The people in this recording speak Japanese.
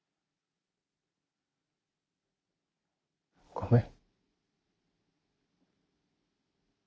ごめん。